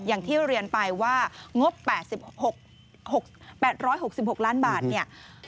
อย่างที่เรียนไปว่างบ๘๖๖ล้านบาทเนี่ย